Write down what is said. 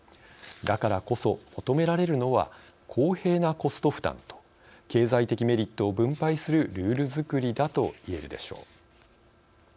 だからこそ、求められるのは公平なコスト負担と経済的メリットを分配するルール作りだと言えるでしょう。